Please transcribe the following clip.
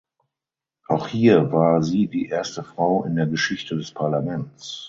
Auch hier war sie die erste Frau in der Geschichte des Parlaments.